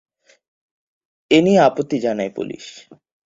এ নিয়ে আপত্তি জানায় পুলিশ।